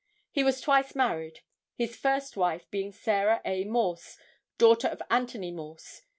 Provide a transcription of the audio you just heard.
He was twice married, his first wife being Sarah A. Morse, daughter of Anthony Morse.